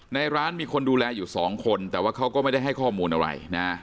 ในร้านมีคนดูแลอยู่สองคนแต่ว่าเขาก็ไม่ได้ให้ข้อมูลอะไรนะ